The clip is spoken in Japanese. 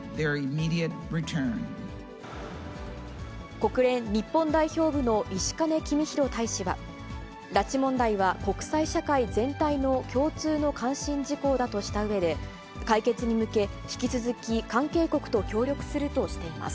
国連日本代表部の石兼公博大使は、拉致問題は国際社会全体の共通の関心事項だとしたうえで、解決に向け、引き続き関係国と協力するとしています。